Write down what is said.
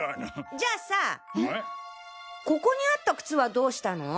じゃあさぁここにあった靴はどうしたの？